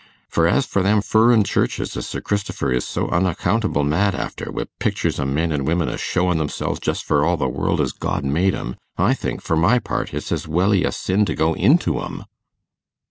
For as for them furrin churches as Sir Cristifer is so unaccountable mad after, wi' pictures o' men an' women a showing themselves just for all the world as God made 'em. I think, for my part, as it's welly a sin to go into 'em.